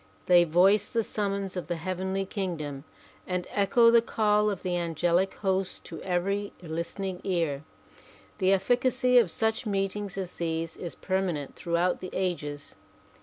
They voice the summons of the heavenly kingdom and echo the call of the angelic hosts to every listening ear. The etificacy of such meetings as these is per manent throughout the ages.